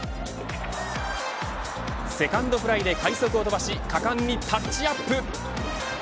セカンドフライで快足を飛ばし果敢にタッチアップ。